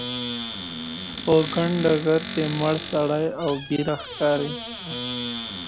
په ګڼ ډګر کي مړ سړی او ږیره ښکاري.